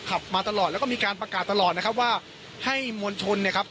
มาตลอดแล้วก็มีการประกาศตลอดนะครับว่าให้มวลชนเนี่ยครับ